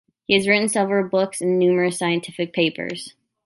He has written several books and numerous scientific papers.